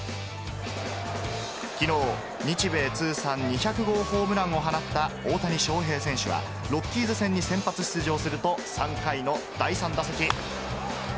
きのう、日米通算２００号ホームランを放った大谷翔平選手は、ロッキーズ戦に先発出場すると、３回の第３打席。